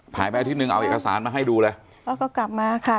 ถ่ายไปอาทิตย์หนึ่งเอาเอกสารมาให้ดูเลยเขาก็กลับมาค่ะ